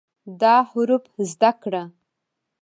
دا حروف زده کړه